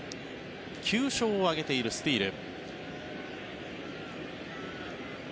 ９勝を挙げているスティール。